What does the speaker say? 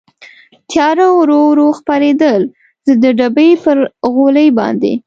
تېاره ورو ورو خپرېدل، زه د ډبې پر غولي باندې.